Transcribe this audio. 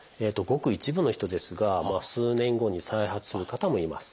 ごく一部の人ですが数年後に再発する方もいます。